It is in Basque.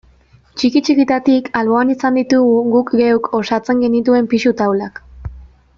Txiki-txikitatik alboan izan ditugu guk geuk osatzen genituen pisu taulak.